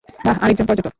বাহ, আরেকজন পর্যটক।